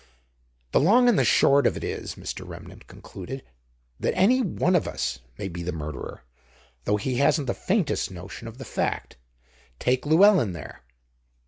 "The long and the short of it is," Mr. Remnant concluded, "that any one of us may be the murderer, though he hasn't the faintest notion of the fact. Take Llewelyn there."